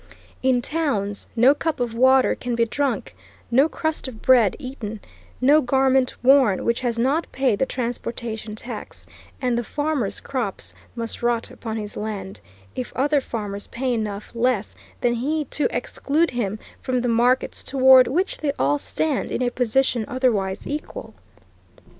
In towns, no cup of water can be drunk, no crust of bread eaten, no garment worn, which has not paid the transportation tax, and the farmer's crops must rot upon his land, if other farmers pay enough less than he to exclude him from markets toward which they all stand in a position otherwise equal.